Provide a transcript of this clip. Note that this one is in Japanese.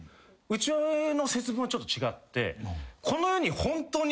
うちの節分はちょっと違って。